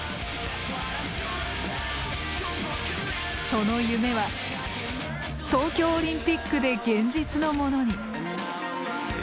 その夢は東京オリンピックで現実のものに。